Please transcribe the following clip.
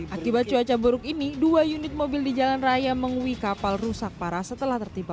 akibat cuaca buruk ini dua unit mobil di jalan raya mengui kapal rusak parah setelah tertimpa